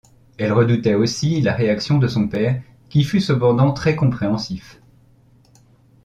Elle redoutait aussi la réaction de son père qui fut cependant très compréhensif.